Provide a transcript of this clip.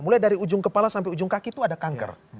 mulai dari ujung kepala sampai ujung kaki itu ada kanker